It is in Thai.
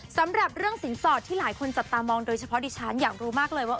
สำหรับเรื่องสินสอดที่หลายคนจับตามองโดยเฉพาะดิฉันอยากรู้มากเลยว่า